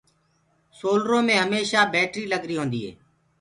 سولرو مي هميشآ بيٽري لگري هوندي اي